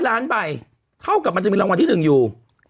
ล้านใบเท่ากับมันจะมีรางวัลที่๑อยู่